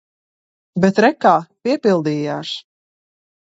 Bet re kā – piepildījās.